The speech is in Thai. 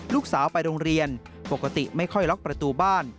ลูกสาวไปโรงเรียนปกติไม่ค่อยล็อกประตูบ้าน